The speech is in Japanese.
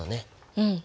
うん。